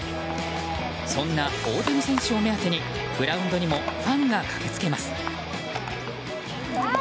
そんな大谷選手を目当てにグラウンドにもファンが駆けつけます。